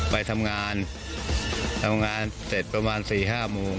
ไปทำงานทำงานเสร็จประมาณ๔๕โมง